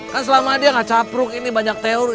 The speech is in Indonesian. kan selama dia nggak capruk ini banyak teori